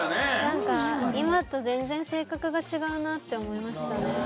なんか今と全然性格が違うなって思いましたね。